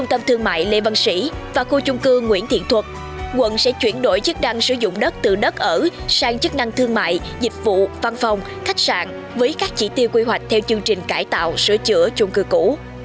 tâm thương mại lê văn sĩ và khu chung cư nguyễn thiện thuật quận sẽ chuyển đổi chức năng sử dụng đất từ đất ở sang chức năng thương mại dịch vụ văn phòng khách sạn với các chỉ tiêu quy hoạch theo chương trình cải tạo sửa chữa chung cư cũ